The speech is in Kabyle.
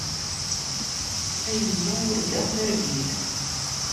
A yemma urgaɣ targit.